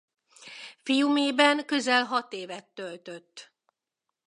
Fiumében közel hat évet töltött.